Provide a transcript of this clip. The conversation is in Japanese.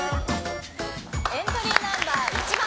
エントリーナンバー１番。